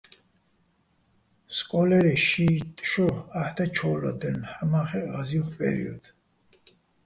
სკო́ლერეჼ შიიტტ შო აჰ̦ და ჩო́ვლადაჲლნო̆, ჰ̦ამა́ხეჸ ღაზი́ვხ პერიოდ.